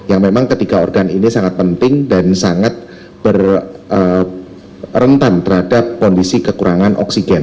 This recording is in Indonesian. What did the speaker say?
yang memang ketiga organ ini sangat penting dan sangat berentang terhadap kondisi kekurangan oksigen